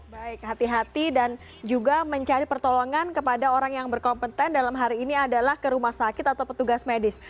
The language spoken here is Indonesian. baik hati hati dan juga mencari pertolongan kepada orang yang berkompeten dalam hari ini adalah ke rumah sakit atau petugas medis